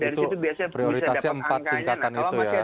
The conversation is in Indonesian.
itu prioritasnya empat tingkatan itu ya